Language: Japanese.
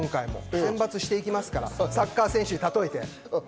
選抜していきますから、サッカー選手に例えて。